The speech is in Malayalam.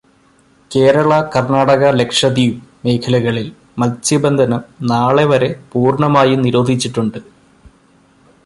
കേരള-കർണാടക-ലക്ഷദ്വീപ് മേഖലകളിൽ മത്സ്യബന്ധനം നാളെ വരെ പൂർണമായും നിരോധിച്ചിട്ടുണ്ട്.